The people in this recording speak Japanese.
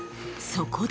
［そこで］